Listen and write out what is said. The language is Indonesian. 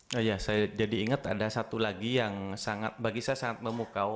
nah ya saya jadi ingat ada satu lagi yang bagi saya sangat memukau